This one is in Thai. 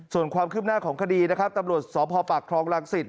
ส่วนความขึ้นหน้าของคดีนะครับตำรวจสพปรักษ์คลองรังสิทธิ์